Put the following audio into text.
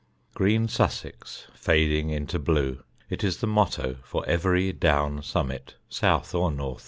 "Green Sussex fading into blue" it is the motto for every Down summit, South or North.